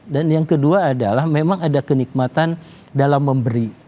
dan yang kedua adalah memang ada kenikmatan dalam memberi